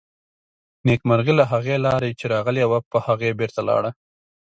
نېکمرغي له هغې لارې چې راغلې وه، په هغې بېرته لاړه.